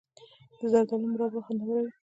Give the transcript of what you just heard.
د زردالو مربا خوندوره وي.